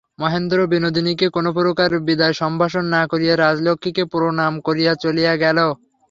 মহেন্দ্র বিনোদিনীকে কোনোপ্রকার বিদায়সম্ভাষণ না করিয়া রাজলক্ষ্মীকে প্রণাম করিয়া চলিয়া গেল।